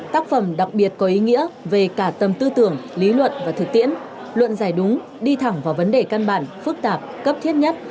tác phẩm đặc biệt có ý nghĩa về cả tầm tư tưởng lý luận và thực tiễn luận giải đúng đi thẳng vào vấn đề căn bản phức tạp cấp thiết nhất